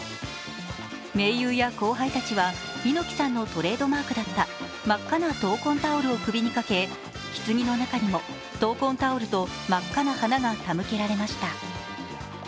盟友や後輩たちは猪木さんのトレードマークだった真っ赤な闘魂タオルを首にかけひつぎの中にも、闘魂タオルと真っ赤な花が手向けられました。